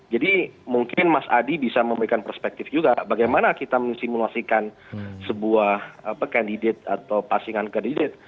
jadi mungkin mas andi bisa memberikan perspektif juga bagaimana kita simulasikan sebuah kandidat atau pasangan kandidat